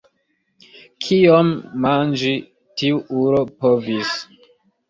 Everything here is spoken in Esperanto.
Kiom manĝi tiu ulo povis!